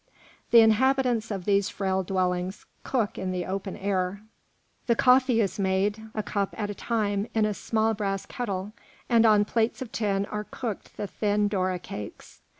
The inhabitants of these frail dwellings cook in the open air. The coffee is made, a cup at a time, in a small brass kettle, and on plates of tin are cooked the thin doora cakes.